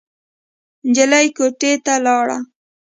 نجلۍ کوټې ته لاړ.